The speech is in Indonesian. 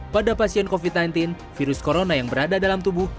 pada pasien covid sembilan belas virus corona yang berada dalam tubuh